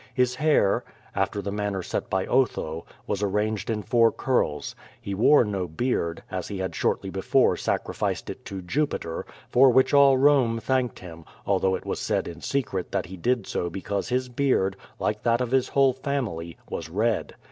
His hair, after the manner set by Otho, was arranged in four curls. He wore no beard, as he had shortly before sacrificed it to Jupiter, for which all Rome thanked him, although it was said in secret that he did so because his beard, like that of his whole family, was red.